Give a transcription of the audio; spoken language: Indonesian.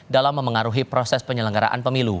dalam memengaruhi proses penyelenggaraan pemilu